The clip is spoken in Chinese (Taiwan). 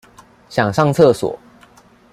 想上廁所